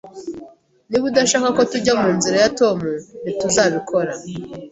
Niba udashaka ko tujya munzira ya Tom, ntituzabikora